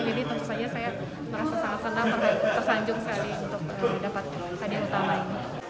jadi terus saja saya merasa sangat senang tersanjung sekali untuk mendapatkan hadiah utama ini